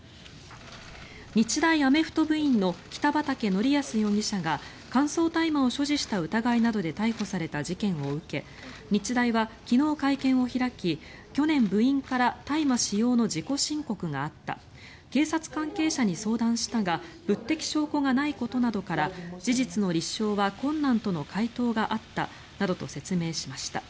日大アメフト部員の北畠成文容疑者が乾燥大麻を所持した疑いなどで逮捕された事件を受けて日大は昨日、会見を開き去年、部員から大麻使用の自己申告があった警察関係者に相談したが物的証拠がないことなどから事実の立証は困難との回答があったなどと説明しました。